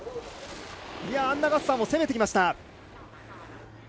アンナ・ガッサーも攻めてきました。